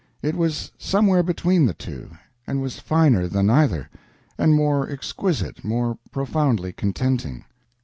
It was somewhere between the two, and was finer than either, and more exquisite, more profoundly contenting.